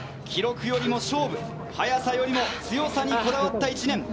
記録よりも勝負、速さよりも強さにこだわった１年。